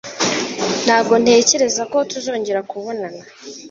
Ntabwo ntekereza ko tuzongera kubonana